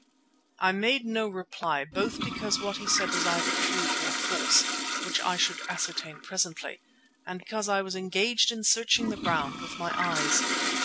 I made no reply, both because what he said was either true or false, which I should ascertain presently, and because I was engaged in searching the ground with my eyes.